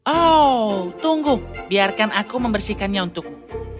oh tunggu biarkan aku membersihkannya untukmu